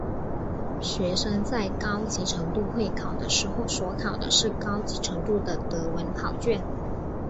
学生在高级程度会考的时候所考的是高级程度的德文考卷。